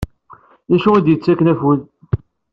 D acu i ak-d-yettakken afud?